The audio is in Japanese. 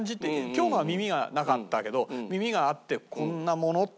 今日のは耳がなかったけど耳があってこんなものっていうのと。